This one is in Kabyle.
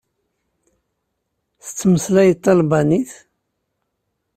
Tettmeslayeḍ talbanit?